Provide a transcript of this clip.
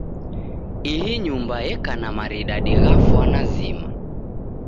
Ihi nyumba yeka na maridadi gha fwana zima.